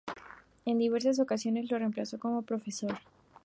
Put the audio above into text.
En diversas ocasiones lo reemplazó como profesor.